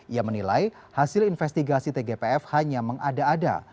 ia menilai hasil investigasi tgpf hanya mengada ada